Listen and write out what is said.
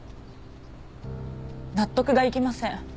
納得がいきません。